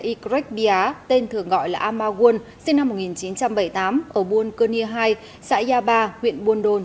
ycret bia tên thường gọi là amargun sinh năm một nghìn chín trăm bảy mươi tám ở buôn cơ nhi hai xã yà ba huyện buôn đôn